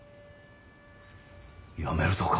辞めるとか。